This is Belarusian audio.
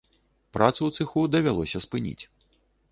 Працу ў цэху давялося спыніць.